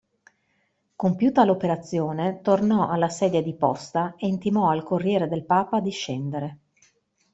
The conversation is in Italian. Compiuta l'operazione, tornò alla sedia di posta e intimò al Corriere del Papa di scendere.